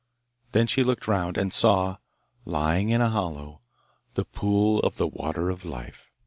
Then she looked round, and saw, lying in a hollow, the pool of the water of life.